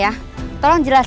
tante andis jangan